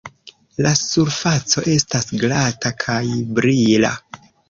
La surfaco estas glata kaj brila.